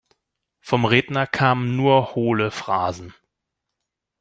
Vom Redner kamen nur hohle Phrasen.